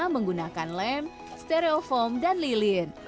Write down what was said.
menggunakan lem stereofoam dan lilin